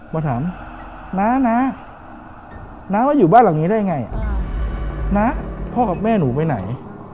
มาถามน้าน้าน้าว่าอยู่บ้านหลังนี้ได้ไงน้าพ่อกับแม่หนูไปไหน